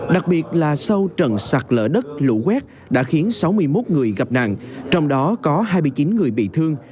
đặc biệt là sau trận sạt lở đất lũ quét đã khiến sáu mươi một người gặp nạn trong đó có hai mươi chín người bị thương